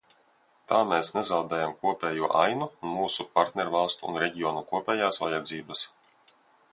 Tā mēs nezaudējam kopējo ainu un mūsu partnervalstu un reģionu kopējās vajadzības.